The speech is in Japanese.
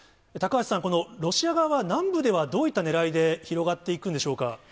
高橋さん、ロシア側は南部ではどういったねらいで広がっていくんでしょうか。